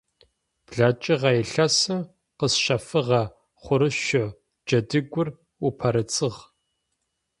БлэкӀыгъэ илъэсым къэсщэфыгъэ хъурышъо джэдыгур упэрэцыгъ.